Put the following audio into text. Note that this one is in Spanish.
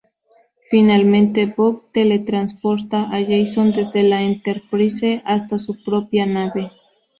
Finalmente Bok teletransporta a Jason desde la Enterprise hasta su propia nave.